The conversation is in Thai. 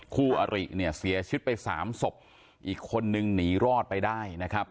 คู่อริเนี่ยเสียชีวิตไปสามศพอีกคนนึงหนีรอดไปได้นะครับ